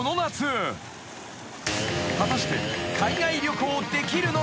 ［果たして］